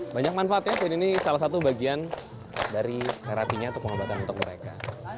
banyak manfaatnya dan ini salah satu bagian dari terapinya atau pengobatan untuk mereka